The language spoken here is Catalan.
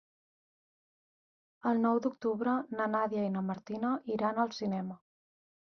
El nou d'octubre na Nàdia i na Martina iran al cinema.